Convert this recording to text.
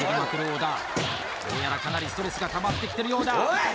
小田どうやらかなりストレスがたまってきてるようだおい！